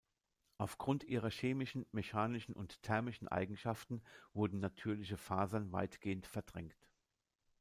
Aufgrund ihrer chemischen, mechanischen und thermischen Eigenschaften wurden natürliche Fasern weitgehend verdrängt.